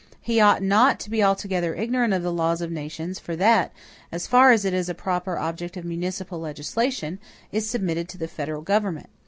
He ought not to be altogether ignorant of the law of nations; for that, as far as it is a proper object of municipal legislation, is submitted to the federal government.